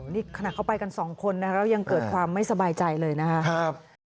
นี่ขนาดเขาไปกันสองคนนะคะแล้วยังเกิดความไม่สบายใจเลยนะครับ